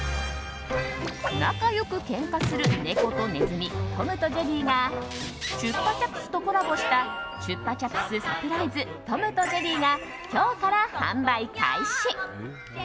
仲良くけんかする猫とネズミ「トムとジェリー」がチュッパチャップスとコラボしたチュッパチャップスサプライズトム＆ジェリーが今日から販売開始。